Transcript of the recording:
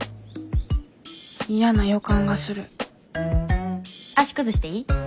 嫌な予感がする足崩していい？